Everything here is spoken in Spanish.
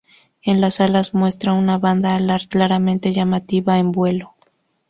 En las alas muestran una banda alar claramente llamativa en vuelo.